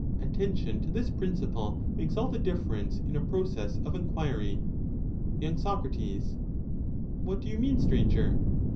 Attention to this prin ciple makes all the difference in a process of enquiry, y. Soc. What do you mean, Stranger?